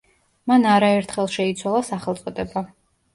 მან არაერთხელ შეიცვალა სახელწოდება.